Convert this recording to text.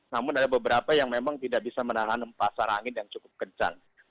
namun ada beberapa yang memang tidak bisa menahan pasar angin yang cukup kencang